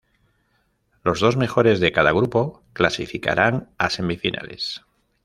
Los dos mejores de cada grupo clasificaran a semifinales.